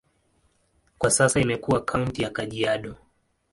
Kwa sasa imekuwa kaunti ya Kajiado.